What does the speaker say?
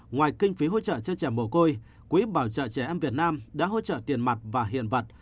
ngoài kinh phí hỗ trợ cho trẻ mồ côi quỹ bảo trợ trẻ em việt nam đã hỗ trợ tiền mặt và hiện vật